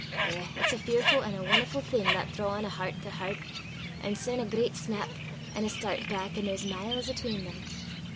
Eh! it's a fearfu' an' won'erfu' thing that drawin' o' hert to hert, an' syne a great snap, an' a stert back, an' there's miles atween them!